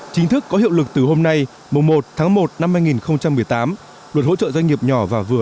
chính thức có hiệu lực từ hôm nay một tháng một năm hai nghìn một mươi tám luật hỗ trợ doanh nghiệp nhỏ và vừa